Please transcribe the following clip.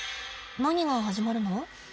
何が始まるの？